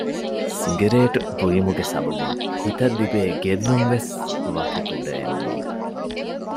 ސިނގިރޭޓު ބުއިމުގެ ސަބަބުން ހިތަށް ލިބޭ ގެއްލުންވެސް ވަކި ކުޑައެއް ނޫން